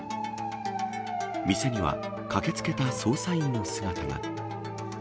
店には駆けつけた捜査員の姿が。